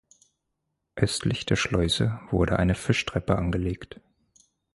Östlich der Schleuse wurde eine Fischtreppe angelegt.